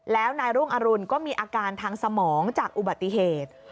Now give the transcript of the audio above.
แล้วนายรุ่งอรุณก็มีอาการทางสมองจากอุบัติเหตุ